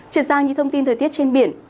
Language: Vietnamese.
chuyển sang những thông tin thời tiết trên biển